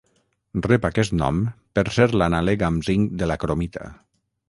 Rep aquest nom per ser l'anàleg amb zinc de la cromita.